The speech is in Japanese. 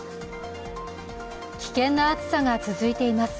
危険な暑さが続いています。